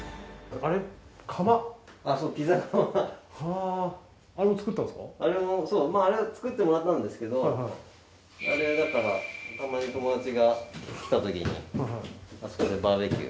あれもそうまああれ作ってもらったんですけどあれだからたまに友達が来たときにあそこでバーベキュー。